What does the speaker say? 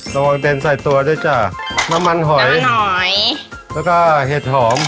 ระวังเต็มใส่ตัวด้วยจ้ะน้ำมันหอยหอยแล้วก็เห็ดหอม